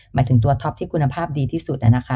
หมายถึงตัวท็อปที่คุณภาพดีที่สุดนะคะ